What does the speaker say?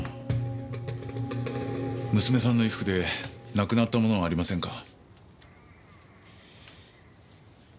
娘さんの衣服でなくなった物はありませんか？